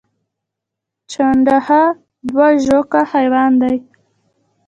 چنډخه دوه ژواکه حیوان دی